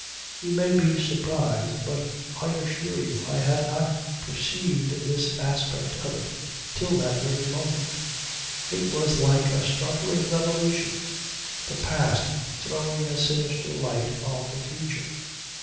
You may be surprised but I assure you I had not perceived this aspect of it till that very moment. It was like a startling revelation; the past throwing a sinister light on the future.